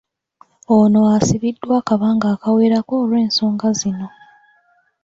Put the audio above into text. Ono asibiddwa akabanga akawerako olwensonga zino.